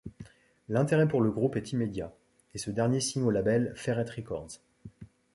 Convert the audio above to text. L'intérêt pour le groupe est immédiat, et ce dernier signe au label Ferret Records.